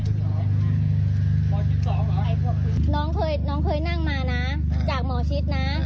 หมอชิสสองเหรอไอ้พวกนี้น้องเคยน้องเคยนั่งมาน่ะจากหมอชิสน่ะ